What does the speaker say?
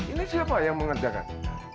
ini siapa yang mengerjakan